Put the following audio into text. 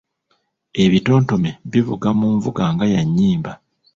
Ebitontome bivuga mu nvuga nga ya nnyimba.